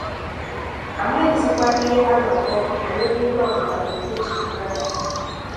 amaghịzịkwa ihe a na-akọ banyere nri ọdịnala e jiri mara ha